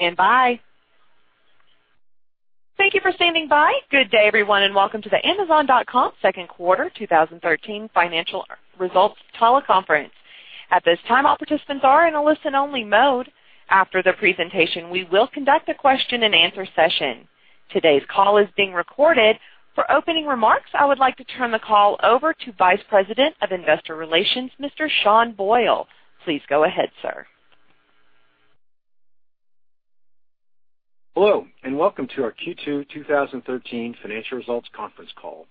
Stand by. Thank you for standing by. Good day, everyone, and welcome to the Amazon.com second quarter 2013 financial results teleconference. At this time, all participants are in a listen-only mode. After the presentation, we will conduct a question and answer session. Today's call is being recorded. For opening remarks, I would like to turn the call over to Vice President of Investor Relations, Mr. Sean Boyle. Please go ahead, sir. Hello, and welcome to our Q2 2013 financial results conference call.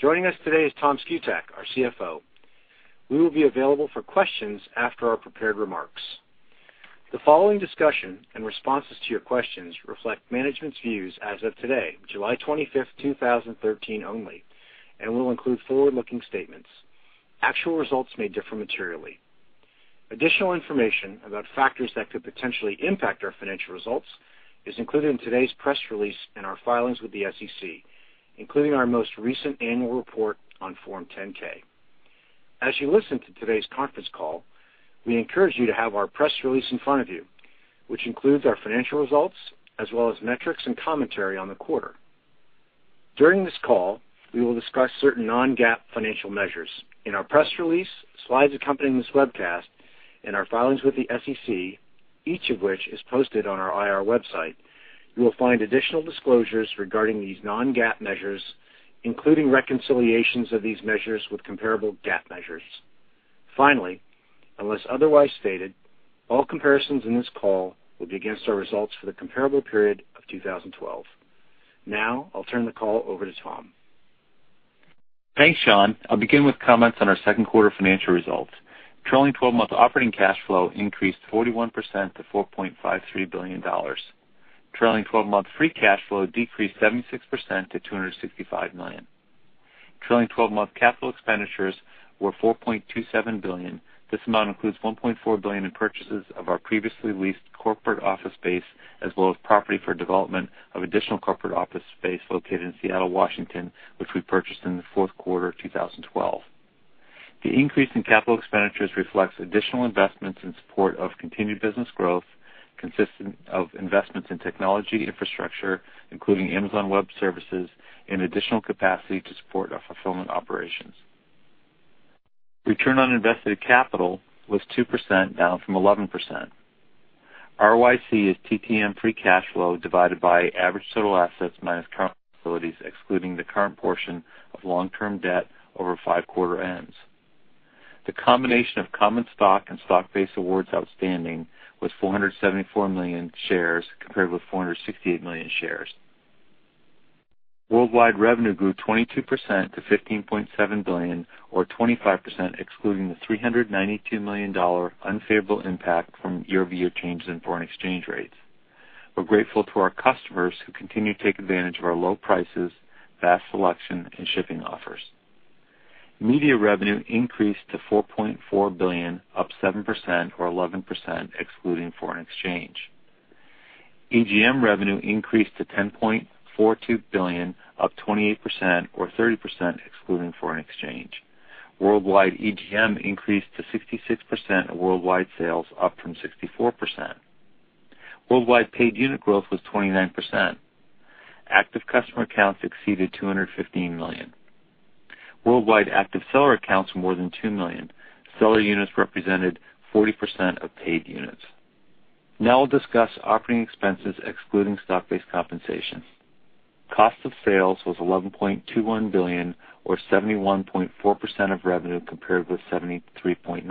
Joining us today is Tom Szkutak, our CFO. We will be available for questions after our prepared remarks. The following discussion and responses to your questions reflect management's views as of today, July 25th, 2013 only, and will include forward-looking statements. Actual results may differ materially. Additional information about factors that could potentially impact our financial results is included in today's press release, in our filings with the SEC, including our most recent annual report on Form 10-K. As you listen to today's conference call, we encourage you to have our press release in front of you, which includes our financial results as well as metrics and commentary on the quarter. During this call, we will discuss certain non-GAAP financial measures. In our press release, slides accompanying this webcast, and our filings with the SEC, each of which is posted on our IR website, you will find additional disclosures regarding these non-GAAP measures, including reconciliations of these measures with comparable GAAP measures. Finally, unless otherwise stated, all comparisons in this call will be against our results for the comparable period of 2012. Now, I'll turn the call over to Tom. Thanks, Sean. I'll begin with comments on our second quarter financial results. Trailing 12-month operating cash flow increased 41% to $4.53 billion. Trailing 12-month free cash flow decreased 76% to $265 million. Trailing 12-month capital expenditures were $4.27 billion. This amount includes $1.4 billion in purchases of our previously leased corporate office space, as well as property for development of additional corporate office space located in Seattle, Washington, which we purchased in the fourth quarter of 2012. The increase in capital expenditures reflects additional investments in support of continued business growth, consistent of investments in technology infrastructure, including Amazon Web Services and additional capacity to support our fulfillment operations. Return on invested capital was 2%, down from 11%. ROIC is TTM free cash flow divided by average total assets minus current liabilities, excluding the current portion of long-term debt over five quarter ends. The combination of common stock and stock-based awards outstanding was 474 million shares compared with 468 million shares. Worldwide revenue grew 22% to $15.7 billion, or 25% excluding the $392 million unfavorable impact from year-over-year changes in foreign exchange rates. We're grateful to our customers who continue to take advantage of our low prices, vast selection, and shipping offers. Media revenue increased to $4.4 billion, up 7% or 11% excluding foreign exchange. EGM revenue increased to $10.42 billion, up 28% or 30% excluding foreign exchange. Worldwide EGM increased to 66% of worldwide sales, up from 64%. Worldwide paid unit growth was 29%. Active customer accounts exceeded 215 million. Worldwide active seller accounts were more than 2 million. Seller units represented 40% of paid units. Now I'll discuss operating expenses excluding stock-based compensation. Cost of sales was $11.21 billion or 71.4% of revenue, compared with 73.9%.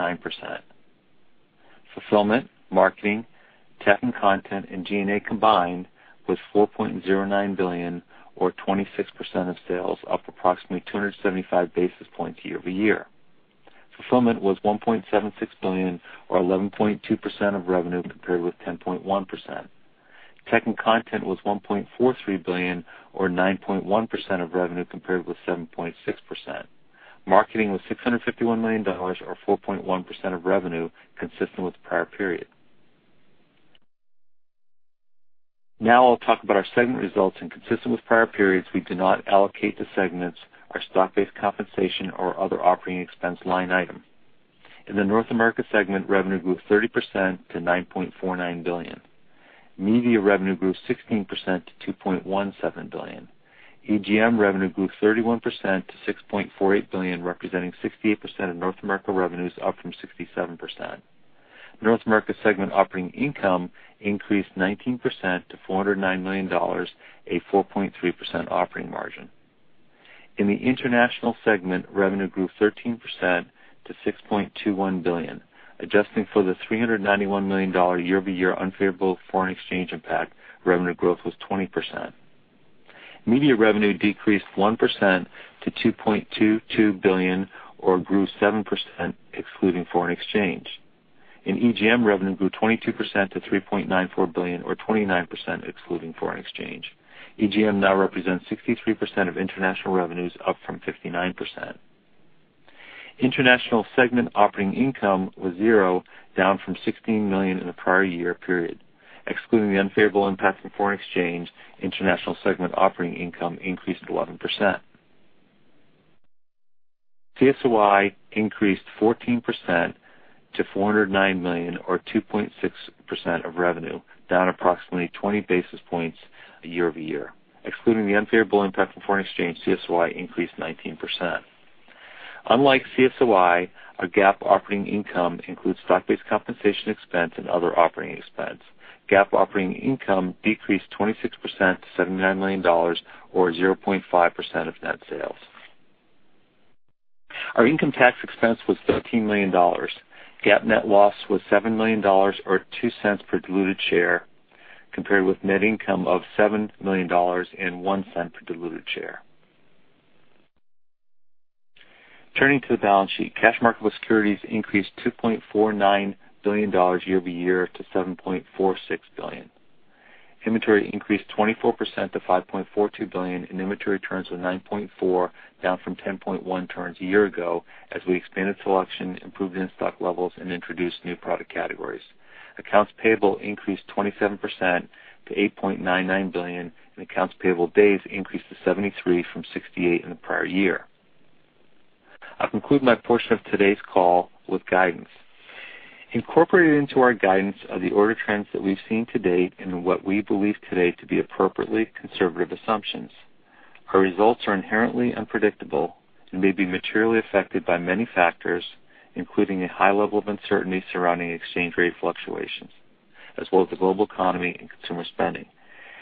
Fulfillment, marketing, tech and content, and G&A combined was $4.09 billion or 26% of sales, up approximately 275 basis points year-over-year. Fulfillment was $1.76 billion or 11.2% of revenue, compared with 10.1%. Tech and content was $1.43 billion or 9.1% of revenue, compared with 7.6%. Marketing was $651 million or 4.1% of revenue, consistent with the prior period. Now I'll talk about our segment results, and consistent with prior periods, we do not allocate to segments our stock-based compensation or other operating expense line item. In the North America segment, revenue grew 30% to $9.49 billion. Media revenue grew 16% to $2.17 billion. EGM revenue grew 31% to $6.48 billion, representing 68% of North America revenues, up from 67%. North America segment operating income increased 19% to $409 million, a 4.3% operating margin. In the International segment, revenue grew 13% to $6.21 billion. Adjusting for the $391 million year-over-year unfavorable foreign exchange impact, revenue growth was 20%. Media revenue decreased 1% to $2.22 billion or grew 7% excluding foreign exchange. EGM revenue grew 22% to $3.94 billion or 29% excluding foreign exchange. EGM now represents 63% of international revenues, up from 59%. International segment operating income was zero, down from $16 million in the prior year period. Excluding the unfavorable impact from foreign exchange, international segment operating income increased 11%. CSOI increased 14% to $409 million or 2.6% of revenue, down approximately 20 basis points year-over-year. Excluding the unfavorable impact from foreign exchange, CSOI increased 19%. Unlike CSOI, our GAAP operating income includes stock-based compensation expense and other operating expense. GAAP operating income decreased 26% to $79 million or 0.5% of net sales. Our income tax expense was $13 million. GAAP net loss was $7 million or $0.02 per diluted share compared with net income of $7 million and $0.01 per diluted share. Turning to the balance sheet, cash market with securities increased to $2.49 billion year-over-year to $7.46 billion. Inventory increased 24% to $5.42 billion, and inventory turns were 9.4, down from 10.1 turns a year ago, as we expanded selection, improved in-stock levels, and introduced new product categories. Accounts payable increased 27% to $8.99 billion, and accounts payable days increased to 73 from 68 in the prior year. I'll conclude my portion of today's call with guidance. Incorporated into our guidance are the order trends that we've seen to date and what we believe today to be appropriately conservative assumptions. Our results are inherently unpredictable and may be materially affected by many factors, including a high level of uncertainty surrounding exchange rate fluctuations as well as the global economy and consumer spending.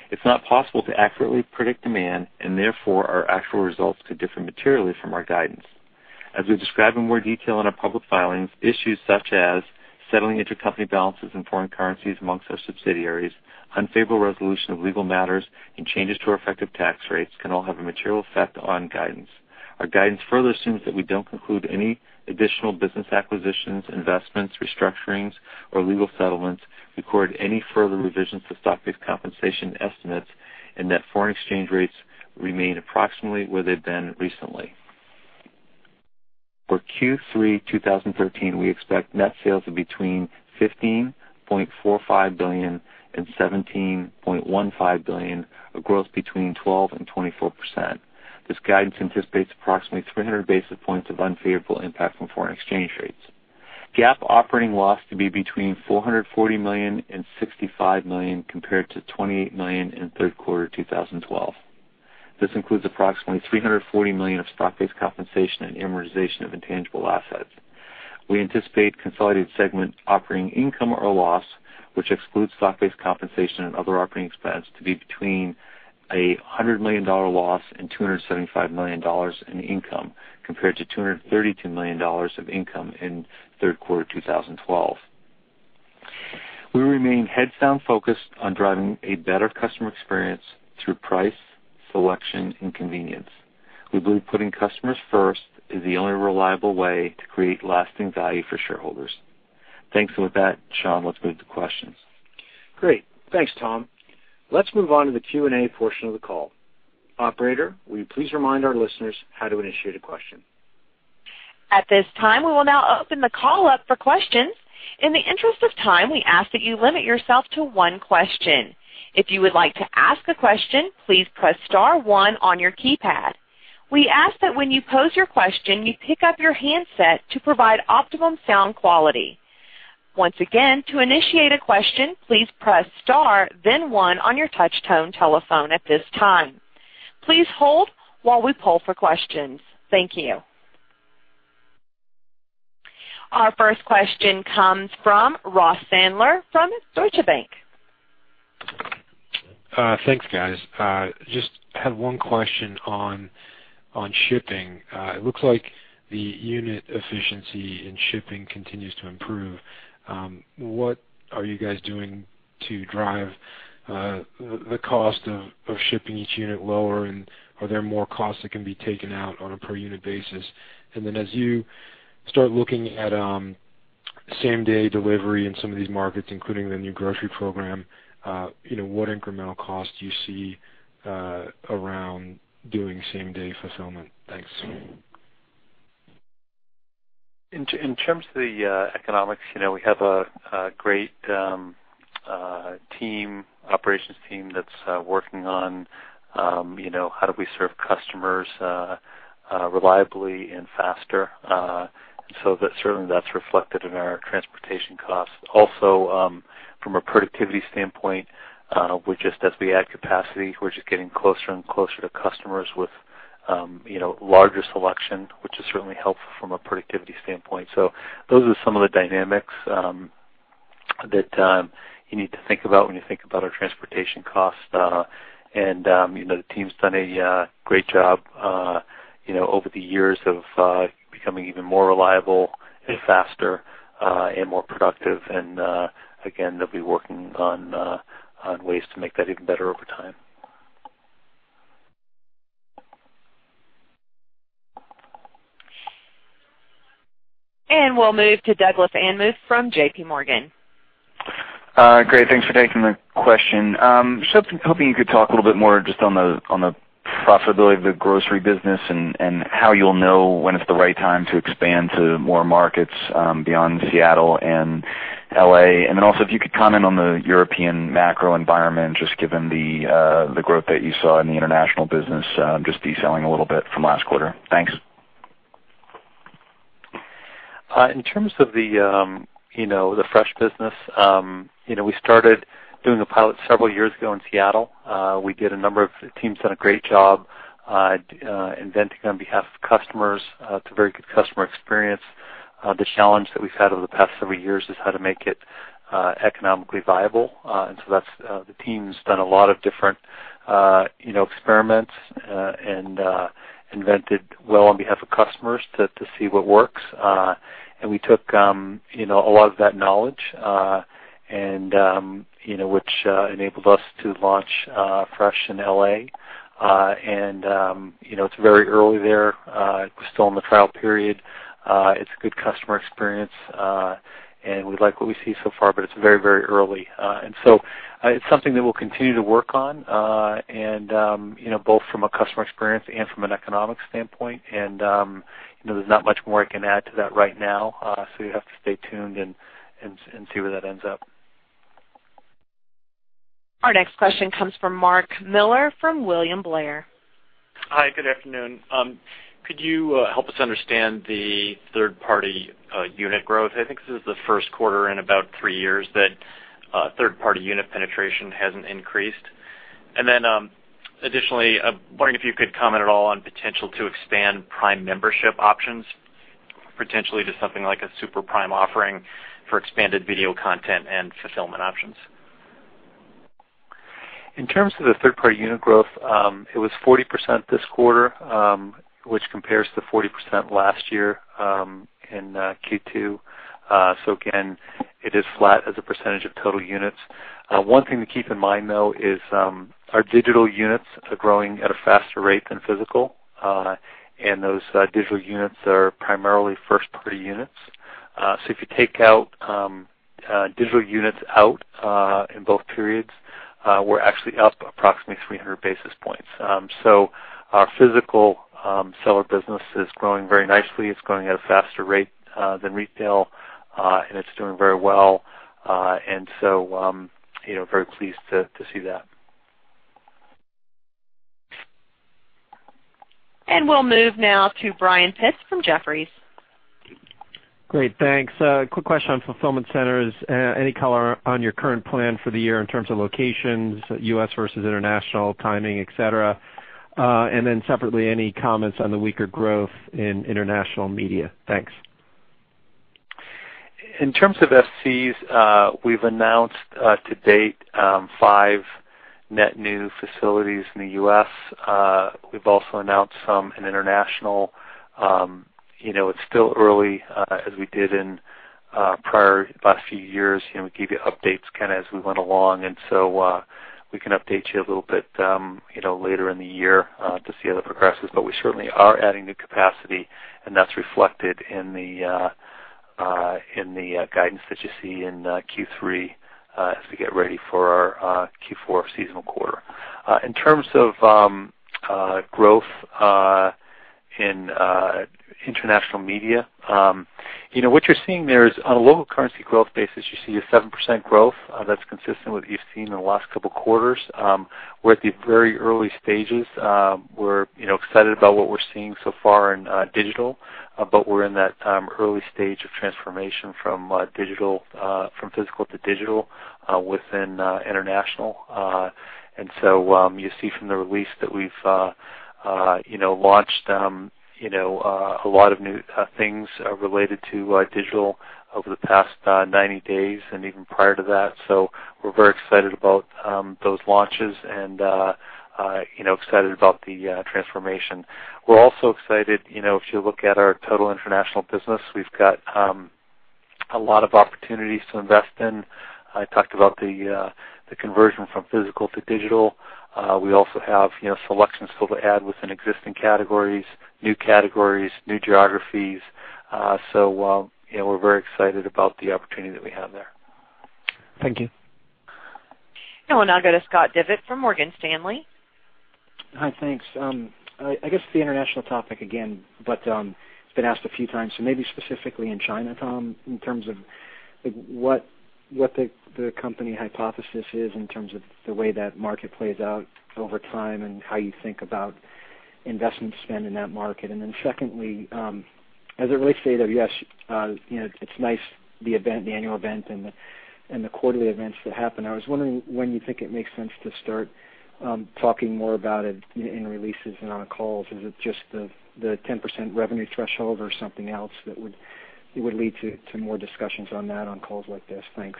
It's not possible to accurately predict demand. Therefore, our actual results could differ materially from our guidance. As we describe in more detail in our public filings, issues such as settling intercompany balances in foreign currencies amongst our subsidiaries, unfavorable resolution of legal matters, and changes to our effective tax rates can all have a material effect on guidance. Our guidance further assumes that we don't conclude any additional business acquisitions, investments, restructurings, or legal settlements, record any further revisions to stock-based compensation estimates, and that foreign exchange rates remain approximately where they've been recently. For Q3 2013, we expect net sales of between $15.45 billion and $17.15 billion, a growth between 12% and 24%. This guidance anticipates approximately 300 basis points of unfavorable impact from foreign exchange rates. GAAP operating loss to be between $440 million and $65 million compared to $28 million in third quarter 2012. This includes approximately $340 million of stock-based compensation and amortization of intangible assets. We anticipate consolidated segment operating income or loss, which excludes stock-based compensation and other operating expense, to be between a $100 million loss and $275 million in income, compared to $232 million of income in third quarter 2012. We remain heads-down focused on driving a better customer experience through price, selection, and convenience. We believe putting customers first is the only reliable way to create lasting value for shareholders. Thanks. With that, Sean, let's move to questions. Great. Thanks, Tom. Let's move on to the Q&A portion of the call. Operator, will you please remind our listeners how to initiate a question? At this time, we will now open the call up for questions. In the interest of time, we ask that you limit yourself to one question. If you would like to ask a question, please press star one on your keypad. We ask that when you pose your question, you pick up your handset to provide optimum sound quality. Once again, to initiate a question, please press star then one on your touch tone telephone at this time. Please hold while we poll for questions. Thank you. Our first question comes from Ross Sandler from Deutsche Bank. Thanks, guys. Just had one question on shipping. It looks like the unit efficiency in shipping continues to improve. What are you guys doing to drive the cost of shipping each unit lower, and are there more costs that can be taken out on a per-unit basis? As you start looking at same-day delivery in some of these markets, including the new grocery program, what incremental cost do you see around doing same-day fulfillment? Thanks. In terms of the economics, we have a great operations team that's working on how do we serve customers reliably and faster. Certainly that's reflected in our transportation costs. Also, from a productivity standpoint, just as we add capacity, we're just getting closer and closer to customers with larger selection, which has certainly helped from a productivity standpoint. Those are some of the dynamics that you need to think about when you think about our transportation costs. The team's done a great job over the years of becoming even more reliable and faster and more productive. Again, they'll be working on ways to make that even better over time. We'll move to Douglas Anmuth from J.P. Morgan. Great. Thanks for taking the question. Just hoping you could talk a little bit more just on the profitability of the grocery business and how you'll know when it's the right time to expand to more markets beyond Seattle and L.A. Also, if you could comment on the European macro environment, just given the growth that you saw in the international business just decelerating a little bit from last quarter. Thanks. In terms of the Fresh business, we started doing a pilot several years ago in Seattle. The team's done a great job inventing on behalf of customers. It's a very good customer experience. The challenge that we've had over the past several years is how to make it economically viable. The team's done a lot of different experiments and invented well on behalf of customers to see what works. We took a lot of that knowledge, which enabled us to launch Fresh in L.A. It's very early there. We're still in the trial period. It's a good customer experience. We like what we see so far, but it's very early. It's something that we'll continue to work on, both from a customer experience and from an economic standpoint. There's not much more I can add to that right now. You have to stay tuned and see where that ends up. Our next question comes from Mark Miller from William Blair. Hi, good afternoon. Could you help us understand the third-party unit growth? I think this is the first quarter in about three years that third-party unit penetration hasn't increased. Additionally, I'm wondering if you could comment at all on potential to expand Prime membership options, potentially to something like a Super Prime offering for expanded video content and fulfillment options. In terms of the third-party unit growth, it was 40% this quarter, which compares to 40% last year in Q2. Again, it is flat as a percentage of total units. One thing to keep in mind, though, is our digital units are growing at a faster rate than physical. Those digital units are primarily first-party units. If you take digital units out in both periods, we're actually up approximately 300 basis points. Our physical seller business is growing very nicely. It's growing at a faster rate than retail. It's doing very well. Very pleased to see that. We'll move now to Brian Pitz from Jefferies. Great, thanks. A quick question on fulfillment centers. Any color on your current plan for the year in terms of locations, U.S. versus international timing, et cetera? Separately, any comments on the weaker growth in international media? Thanks. In terms of FCs, we've announced to date five net new facilities in the U.S. We've also announced some in international. It's still early. As we did in prior last few years, we gave you updates kind of as we went along. So we can update you a little bit later in the year to see how that progresses. We certainly are adding new capacity, and that's reflected in the guidance that you see in Q3 as we get ready for our Q4 seasonal quarter. In terms of growth in international media, what you're seeing there is on a local currency growth basis, you see a 7% growth. That's consistent with what you've seen in the last couple of quarters. We're at the very early stages. We're excited about what we're seeing so far in digital, we're in that early stage of transformation from physical to digital within international. You see from the release that we've launched a lot of new things related to digital over the past 90 days and even prior to that. We're very excited about those launches and excited about the transformation. We're also excited, if you look at our total international business, we've got a lot of opportunities to invest in. I talked about the conversion from physical to digital. We also have selection still to add within existing categories, new categories, new geographies. We're very excited about the opportunity that we have there. Thank you. We'll now go to Scott Devitt from Morgan Stanley. Hi, thanks. It's been asked a few times. Maybe specifically in China, Tom, in terms of what the company hypothesis is in terms of the way that market plays out over time and how you think about investment spend in that market. Secondly, as it relates to AWS, it's nice the annual event and the quarterly events that happen. I was wondering when you think it makes sense to start talking more about it in releases and on calls. Is it just the 10% revenue threshold or something else that would lead to more discussions on that on calls like this? Thanks.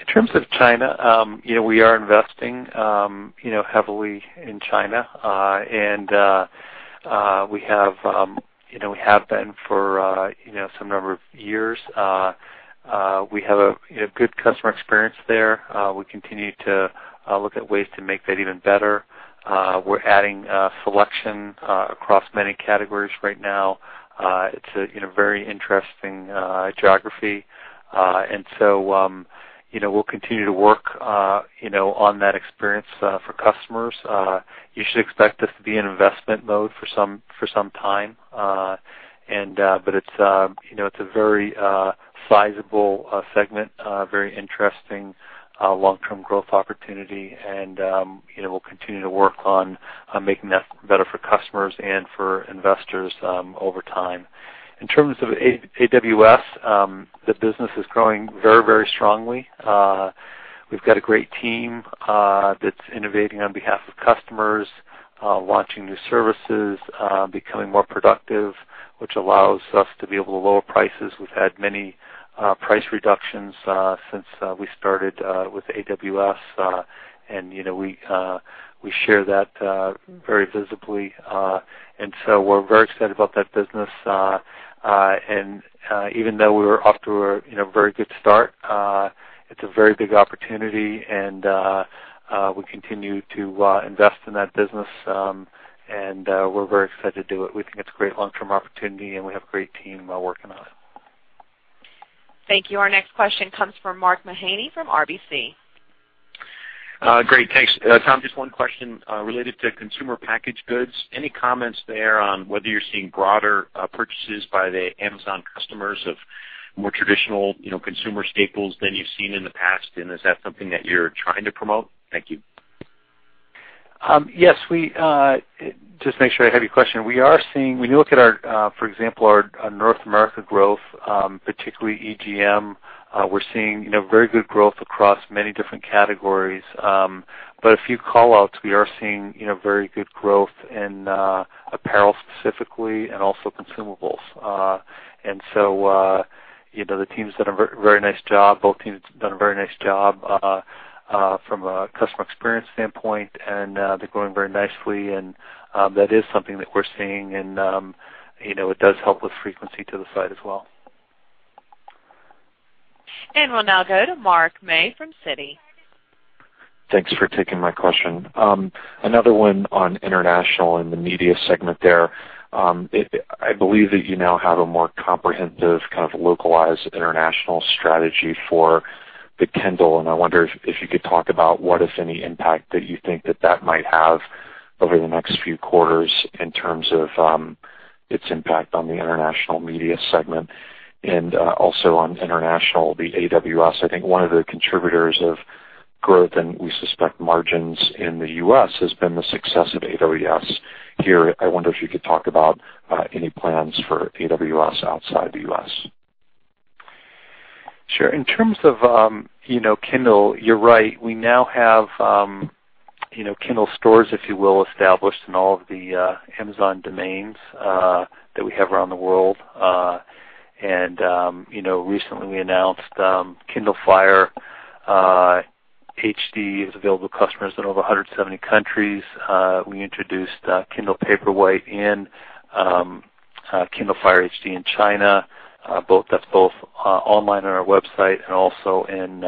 In terms of China, we are investing heavily in China. We have been for some number of years. We have a good customer experience there. We continue to look at ways to make that even better. We're adding selection across many categories right now. It's a very interesting geography. We'll continue to work on that experience for customers. You should expect us to be in investment mode for some time. It's a very sizable segment, very interesting long-term growth opportunity, and we'll continue to work on making that better for customers and for investors over time. In terms of AWS, the business is growing very strongly. We've got a great team that's innovating on behalf of customers, launching new services, becoming more productive, which allows us to be able to lower prices. We've had many price reductions since we started with AWS, and we share that very visibly. We're very excited about that business, and even though we were off to a very good start, it's a very big opportunity, and we continue to invest in that business, and we're very excited to do it. We think it's a great long-term opportunity, and we have a great team working on it. Thank you. Our next question comes from Mark Mahaney from RBC. Great. Thanks. Tom, just one question related to consumer packaged goods. Any comments there on whether you're seeing broader purchases by the Amazon customers of more traditional consumer staples than you've seen in the past, is that something that you're trying to promote? Thank you. Yes. Just to make sure I have your question. When you look at our, for example, our North America growth, particularly EGM, we're seeing very good growth across many different categories. A few call-outs, we are seeing very good growth in apparel specifically and also consumables. The teams did a very nice job. Both teams have done a very nice job from a customer experience standpoint, and they're growing very nicely, and that is something that we're seeing, and it does help with frequency to the site as well. We'll now go to Mark May from Citi. Thanks for taking my question. Another one on international and the media segment there. I believe that you now have a more comprehensive kind of localized international strategy for the Kindle, and I wonder if you could talk about what, if any, impact that you think that that might have over the next few quarters in terms of its impact on the international media segment. Also on international, the AWS, I think one of the contributors of growth, and we suspect margins in the U.S., has been the success of AWS here. I wonder if you could talk about any plans for AWS outside the U.S. Sure. In terms of Kindle, you're right. We now have Kindle stores, if you will, established in all of the Amazon domains that we have around the world. Recently we announced Kindle Fire HD is available to customers in over 170 countries. We introduced Kindle Paperwhite and Kindle Fire HD in China. That's both online on our website and also in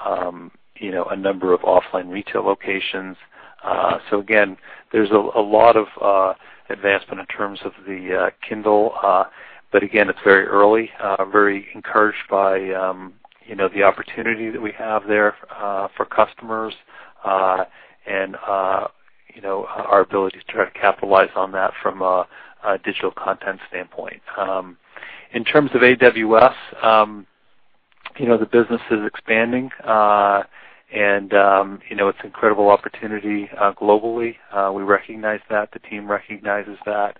a number of offline retail locations. Again, there's a lot of advancement in terms of the Kindle. Again, it's very early. I'm very encouraged by the opportunity that we have there for customers, and our ability to try to capitalize on that from a digital content standpoint. In terms of AWS, the business is expanding, it's incredible opportunity globally. We recognize that. The team recognizes that.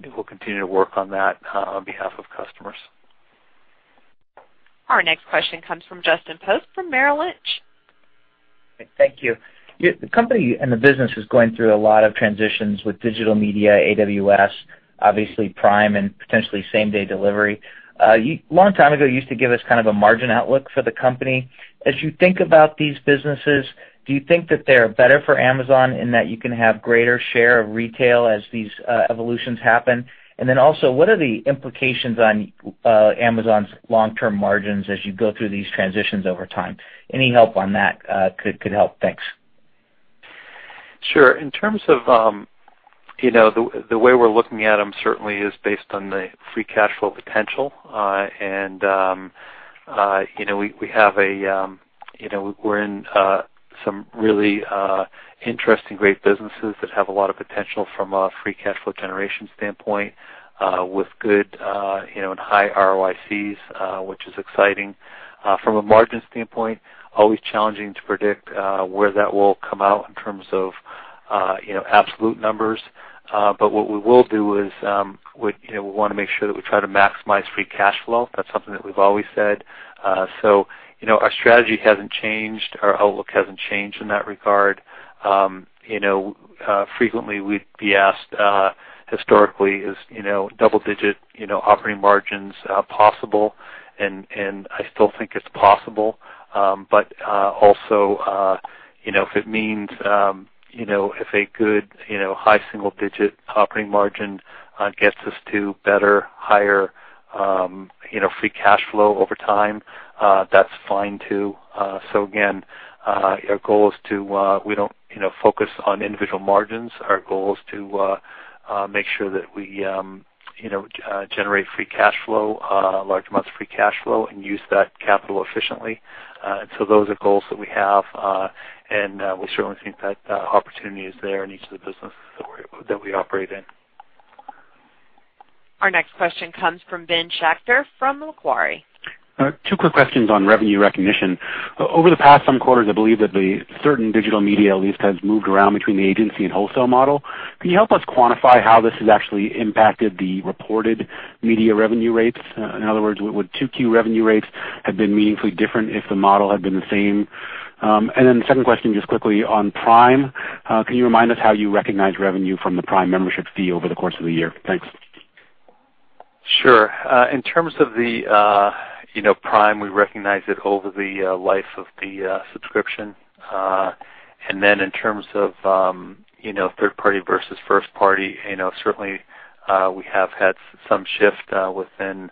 We'll continue to work on that on behalf of customers. Our next question comes from Justin Post from Merrill Lynch. Thank you. The company and the business is going through a lot of transitions with digital media, AWS, obviously Prime, and potentially same-day delivery. A long time ago, you used to give us kind of a margin outlook for the company. As you think about these businesses, do you think that they are better for Amazon in that you can have greater share of retail as these evolutions happen? Also, what are the implications on Amazon's long-term margins as you go through these transitions over time? Any help on that could help. Thanks. Sure. The way we're looking at them certainly is based on the free cash flow potential. We're in some really interesting, great businesses that have a lot of potential from a free cash flow generation standpoint, with good and high ROICs, which is exciting. From a margin standpoint, always challenging to predict where that will come out in terms of absolute numbers. What we will do is we want to make sure that we try to maximize free cash flow. That's something that we've always said. Our strategy hasn't changed, our outlook hasn't changed in that regard. Frequently we'd be asked historically, is double-digit operating margins possible, I still think it's possible. Also, if a good high single-digit operating margin gets us to better, higher free cash flow over time, that's fine too. Again, we don't focus on individual margins. Our goal is to make sure that we generate free cash flow, large amounts of free cash flow, and use that capital efficiently. So those are goals that we have, and we certainly think that opportunity is there in each of the businesses that we operate in. Our next question comes from Ben Schachter from Macquarie. Two quick questions on revenue recognition. Over the past some quarters, I believe that the certain digital media at least has moved around between the agency and wholesale model. Can you help us quantify how this has actually impacted the reported media revenue rates? In other words, would 2Q revenue rates have been meaningfully different if the model had been the same? Then the second question, just quickly on Prime, can you remind us how you recognize revenue from the Prime membership fee over the course of the year? Thanks. Sure. In terms of Prime, we recognize it over the life of the subscription. Then in terms of third party versus first party, certainly, we have had some shift within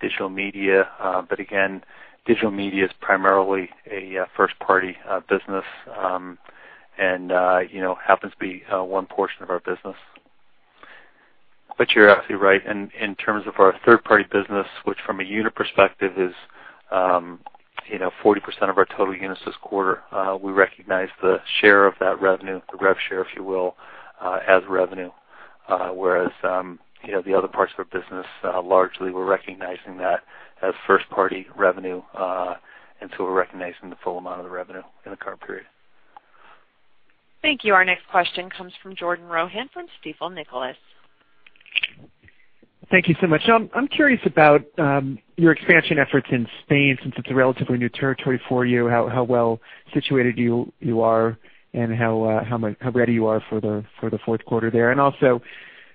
digital media. Again, digital media is primarily a first-party business, and happens to be one portion of our business. You're absolutely right. In terms of our third-party business, which from a unit perspective is 40% of our total units this quarter, we recognize the share of that revenue, the rev share, if you will, as revenue, whereas the other parts of our business, largely, we're recognizing that as first-party revenue. So we're recognizing the full amount of the revenue in the current period. Thank you. Our next question comes from Jordan Rohan from Stifel Nicolaus. Thank you so much. I'm curious about your expansion efforts in Spain, since it's a relatively new territory for you, how well situated you are, and how ready you are for the fourth quarter there. Also,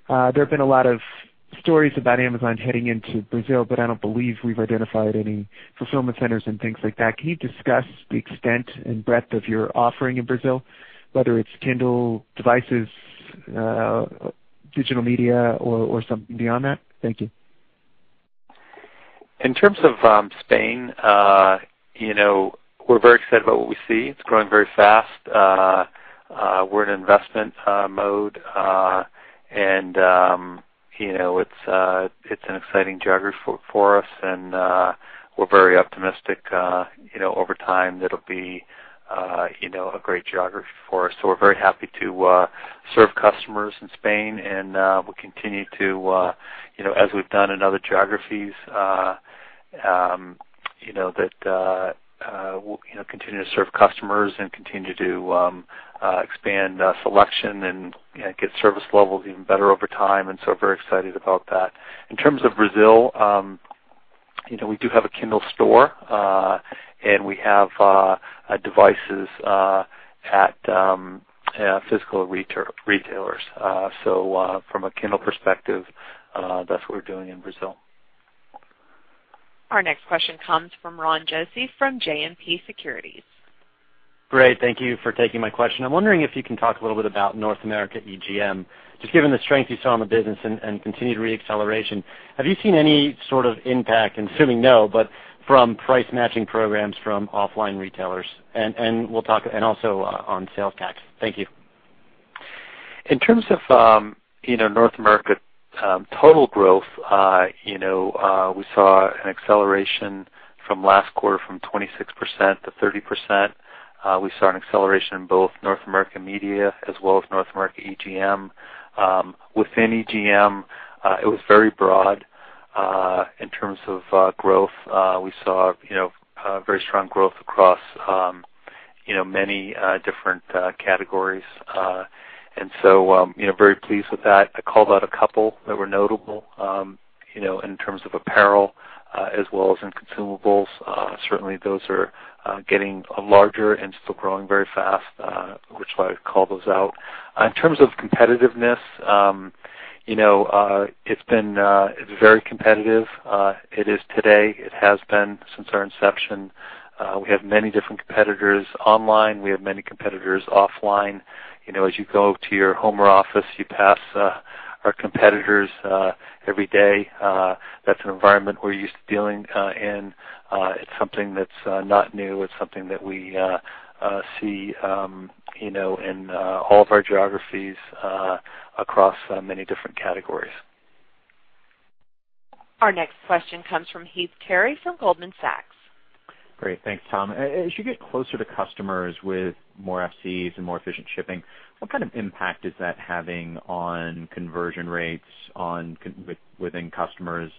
there have been a lot of stories about Amazon heading into Brazil, but I don't believe we've identified any fulfillment centers and things like that. Can you discuss the extent and breadth of your offering in Brazil, whether it's Kindle devices, digital media, or something beyond that? Thank you. In terms of Spain, we're very excited about what we see. It's growing very fast. We're in investment mode. It's an exciting geography for us, and we're very optimistic. Over time, that'll be a great geography for us. We're very happy to serve customers in Spain, and we'll continue to, as we've done in other geographies, that we'll continue to serve customers and continue to expand selection and get service levels even better over time, we're very excited about that. In terms of Brazil, we do have a Kindle Store, and we have devices at physical retailers. From a Kindle perspective, that's what we're doing in Brazil. Our next question comes from Ron Josey from JMP Securities. Great. Thank you for taking my question. I'm wondering if you can talk a little bit about North America EGM. Given the strength you saw in the business and continued re-acceleration, have you seen any sort of impact, I'm assuming no, but from price-matching programs from offline retailers? Also on sales tax? Thank you. In terms of North America total growth, we saw an acceleration from last quarter from 26% to 30%. We saw an acceleration in both North America media as well as North America EGM. Within EGM, it was very broad. In terms of growth, we saw very strong growth across many different categories. Very pleased with that. I called out a couple that were notable, in terms of apparel as well as in consumables. Certainly, those are getting larger and still growing very fast, which is why I called those out. In terms of competitiveness, it's been very competitive. It is today. It has been since our inception. We have many different competitors online. We have many competitors offline. As you go to your home or office, you pass our competitors every day. That's an environment we're used to dealing in. It's something that's not new. It's something that we see in all of our geographies across many different categories. Our next question comes from Heath Terry from Goldman Sachs. Great. Thanks, Tom. As you get closer to customers with more FCs and more efficient shipping, what kind of impact is that having on conversion rates within customers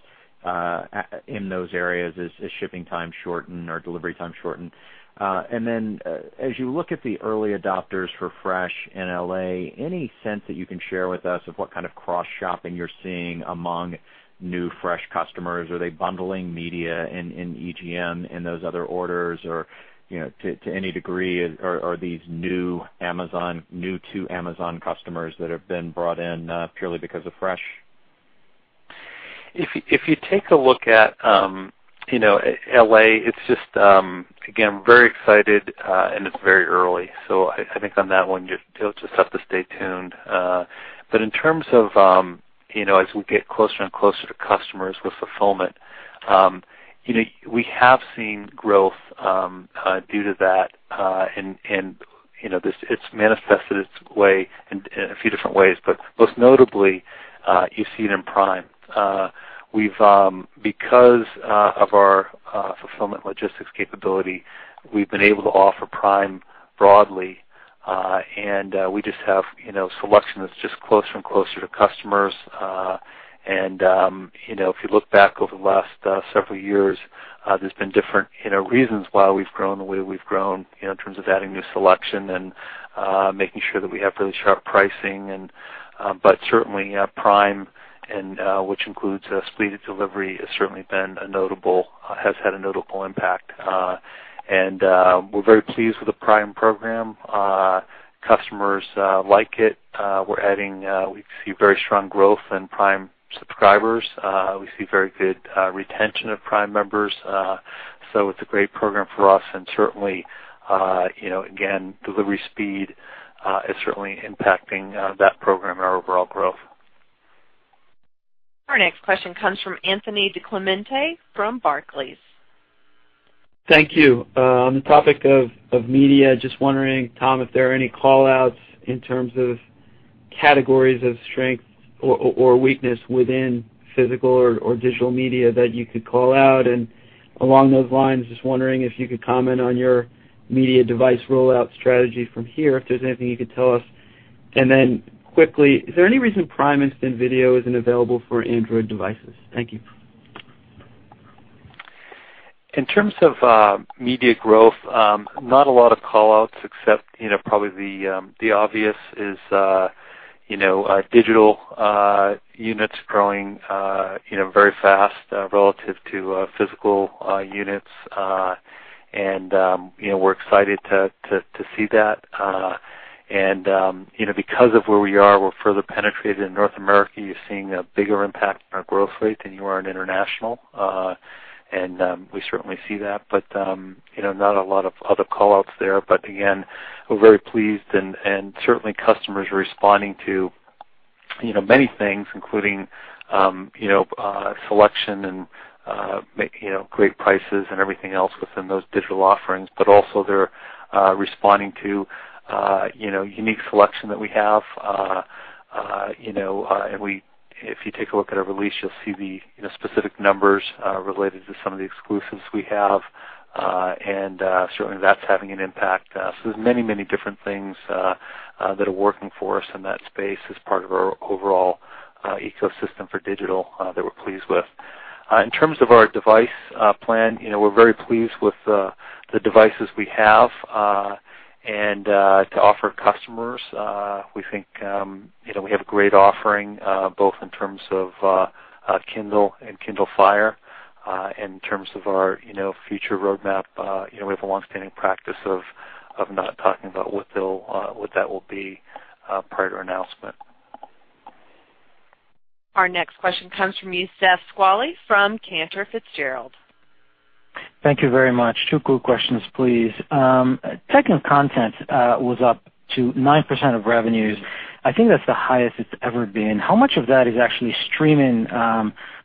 in those areas as shipping time shorten or delivery time shorten? As you look at the early adopters for Fresh in L.A., any sense that you can share with us of what kind of cross-shopping you're seeing among new Fresh customers? Are they bundling media and EGM in those other orders, or, to any degree, are these new to Amazon customers that have been brought in purely because of Fresh? If you take a look at L.A., it's just, again, very excited, and it's very early. I think on that one, you'll just have to stay tuned. In terms of as we get closer and closer to customers with fulfillment, we have seen growth due to that, and it's manifested its way in a few different ways. Most notably, you see it in Prime. Because of our fulfillment logistics capability, we've been able to offer Prime broadly. We just have selection that's just closer and closer to customers. If you look back over the last several years, there's been different reasons why we've grown the way we've grown, in terms of adding new selection and making sure that we have really sharp pricing. Certainly, Prime, which includes speed of delivery, has certainly had a notable impact. We're very pleased with the Prime program. Customers like it. We see very strong growth in Prime subscribers. We see very good retention of Prime members. It's a great program for us, and certainly, again, delivery speed is certainly impacting that program and our overall growth. Our next question comes from Anthony DiClemente from Barclays. Thank you. On the topic of media, just wondering, Tom, if there are any call-outs in terms of categories of strength or weakness within physical or digital media that you could call out. Along those lines, just wondering if you could comment on your media device rollout strategy from here, if there's anything you could tell us. Then quickly, is there any reason Prime Instant Video isn't available for Android devices? Thank you. In terms of media growth, not a lot of call-outs except probably the obvious is digital units growing very fast relative to physical units. We're excited to see that. Because of where we are, we're further penetrated in North America. You're seeing a bigger impact on our growth rate than you are on international. We certainly see that, not a lot of other call-outs there. Again, we're very pleased and certainly customers are responding to many things, including selection and great prices and everything else within those digital offerings, also they're responding to unique selection that we have. If you take a look at our release, you'll see the specific numbers related to some of the exclusives we have, and certainly that's having an impact. There's many different things that are working for us in that space as part of our overall ecosystem for digital that we're pleased with. In terms of our device plan, we're very pleased with the devices we have and to offer customers. We think we have a great offering, both in terms of Kindle and Kindle Fire. In terms of our future roadmap, we have a longstanding practice of not talking about what that will be prior to announcement. Our next question comes from Youssef Squali from Cantor Fitzgerald. Thank you very much. Two quick questions, please. Tech and content was up to 9% of revenues. I think that's the highest it's ever been. How much of that is actually streaming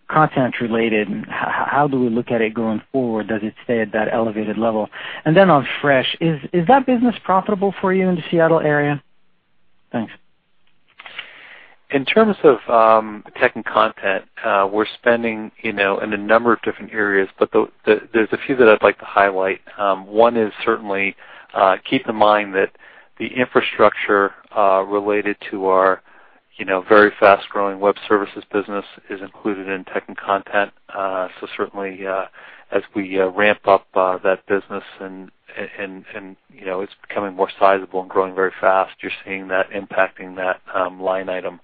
content related, and how do we look at it going forward? Does it stay at that elevated level? On Fresh, is that business profitable for you in the Seattle area? Thanks. In terms of Tech and content, we're spending in a number of different areas, but there's a few that I'd like to highlight. One is certainly keep in mind that the infrastructure related to our very fast-growing Web Services business is included in Tech and content. Certainly as we ramp up that business and it's becoming more sizable and growing very fast, you're seeing that impacting that line item.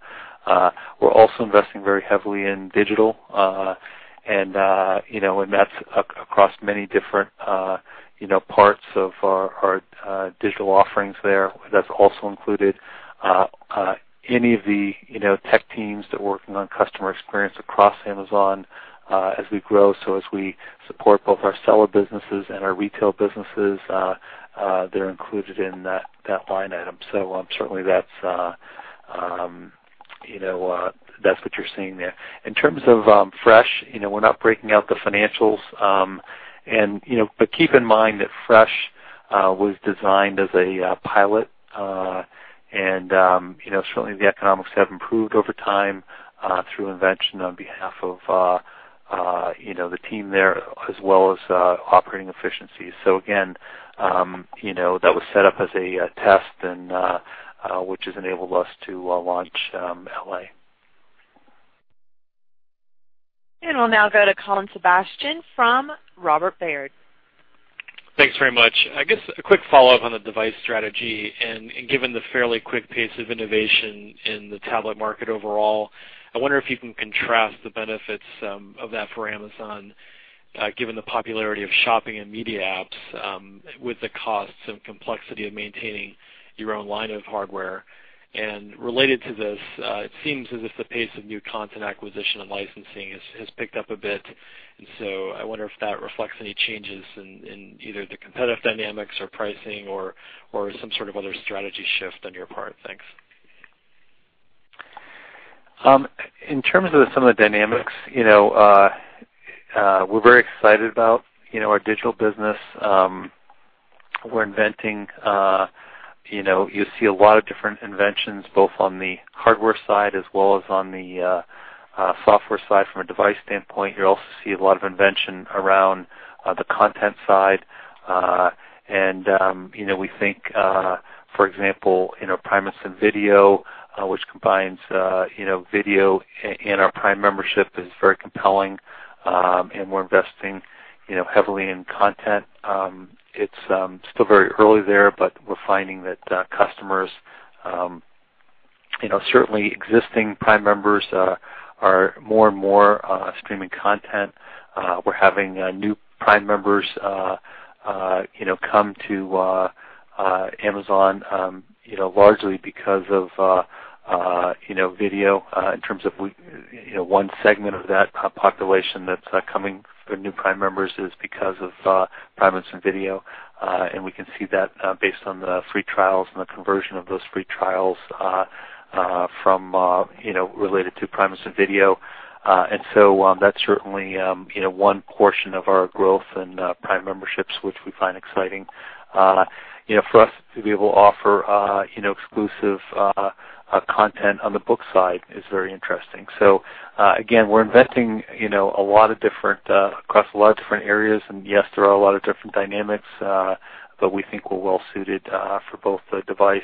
We're also investing very heavily in digital, and that's across many different parts of our digital offerings there. That's also included any of the tech teams that are working on customer experience across Amazon as we grow. As we support both our seller businesses and our retail businesses, they're included in that line item. Certainly that's what you're seeing there. In terms of Fresh, we're not breaking out the financials, but keep in mind that Fresh was designed as a pilot. Certainly the economics have improved over time through invention on behalf of the team there, as well as operating efficiencies. Again, that was set up as a test, which has enabled us to launch L.A. We'll now go to Colin Sebastian from Robert Baird. Thanks very much. I guess a quick follow-up on the device strategy, given the fairly quick pace of innovation in the tablet market overall, I wonder if you can contrast the benefits of that for Amazon, given the popularity of shopping and media apps, with the costs and complexity of maintaining your own line of hardware. Related to this, it seems as if the pace of new content acquisition and licensing has picked up a bit, I wonder if that reflects any changes in either the competitive dynamics or pricing or some sort of other strategy shift on your part. Thanks. In terms of some of the dynamics, we're very excited about our digital business. We're inventing. You see a lot of different inventions, both on the hardware side as well as on the software side from a device standpoint, you also see a lot of invention around the content side. We think, for example, Prime Instant Video, which combines video and our Prime membership, is very compelling, we're investing heavily in content. It's still very early there, but we're finding that customers, certainly existing Prime members, are more and more streaming content. We're having new Prime members come to Amazon largely because of video, in terms of one segment of that population that's coming for new Prime members is because of Prime Instant Video. We can see that based on the free trials and the conversion of those free trials related to Prime Instant Video. That's certainly one portion of our growth in Prime memberships, which we find exciting. For us to be able to offer exclusive content on the book side is very interesting. Again, we're investing across a lot of different areas, yes, there are a lot of different dynamics, but we think we're well suited for both the device,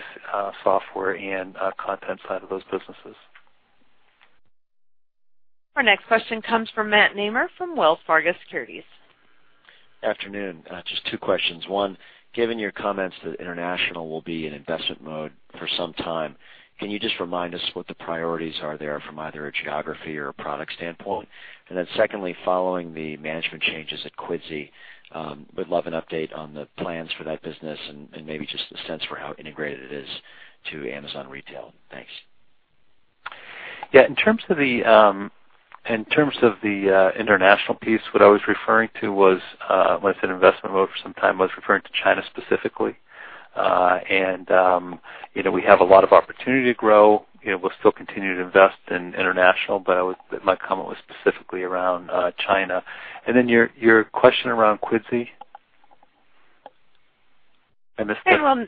software, and content side of those businesses. Our next question comes from Matt Nemer from Wells Fargo Securities. Afternoon. Just two questions. One, given your comments that international will be in investment mode for some time, can you just remind us what the priorities are there from either a geography or a product standpoint? Secondly, following the management changes at Quidsi, we'd love an update on the plans for that business and maybe just a sense for how integrated it is to Amazon retail. Thanks. Yeah. In terms of the international piece, what I was referring to was, when I said investment mode for some time, I was referring to China specifically. We have a lot of opportunity to grow. We'll still continue to invest in international, but my comment was specifically around China. Your question around Quidsi? I missed that.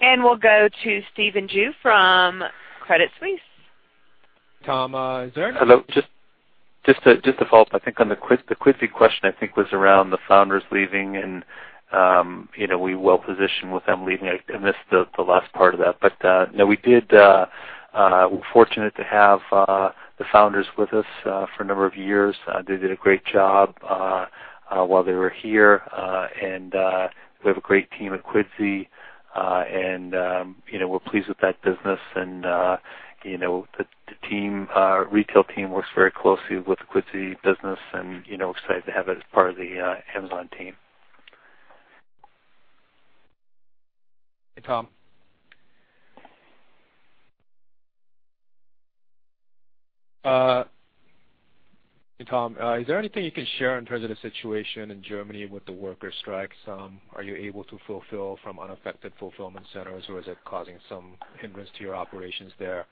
We'll go to Stephen Ju from Credit Suisse. Tom. Hello. Just to follow up, I think on the Quidsi question, I think was around the founders leaving and we well-positioned with them leaving. I missed the last part of that. No, we're fortunate to have the founders with us for a number of years. They did a great job while they were here, and we have a great team at Quidsi, and we're pleased with that business. The retail team works very closely with the Quidsi business and excited to have it as part of the Amazon team. Hey, Tom. Is there anything you can share in terms of the situation in Germany with the worker strikes? Are you able to fulfill from unaffected fulfillment centers, or is it causing some hindrance to your operations there?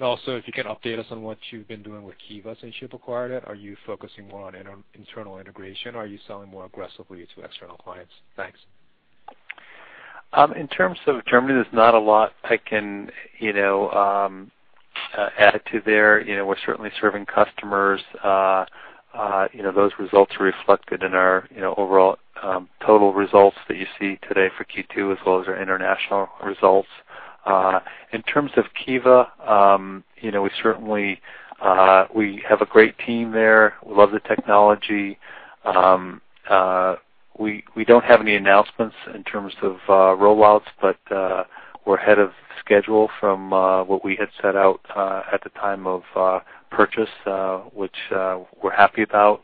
Also, if you can update us on what you've been doing with Kiva since you've acquired it. Are you focusing more on internal integration, or are you selling more aggressively to external clients? Thanks. In terms of Germany, there's not a lot I can add to there. We're certainly serving customers. Those results are reflected in our overall total results that you see today for Q2, as well as our international results. In terms of Kiva, we have a great team there. We love the technology. We don't have any announcements in terms of roll-outs, but we're ahead of schedule from what we had set out at the time of purchase, which we're happy about.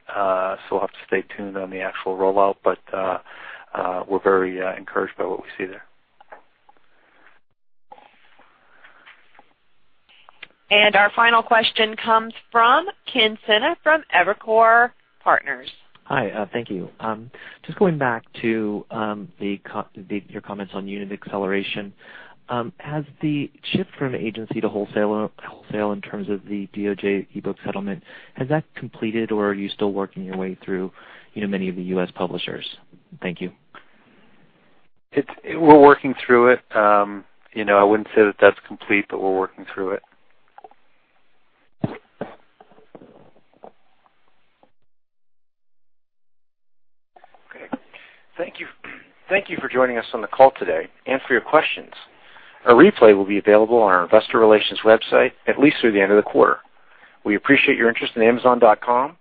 We'll have to stay tuned on the actual rollout, but we're very encouraged by what we see there. Our final question comes from Ken Sena from Evercore Partners. Hi. Thank you. Just going back to your comments on unit acceleration. Has the shift from agency to wholesale in terms of the DOJ e-book settlement, has that completed, or are you still working your way through many of the U.S. publishers? Thank you. We're working through it. I wouldn't say that that's complete, but we're working through it. Okay. Thank you for joining us on the call today and for your questions. A replay will be available on our investor relations website at least through the end of the quarter. We appreciate your interest in Amazon.com.